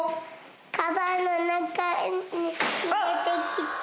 カバンのなかにいれてきた。